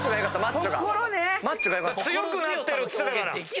強くなってるって言ってたから。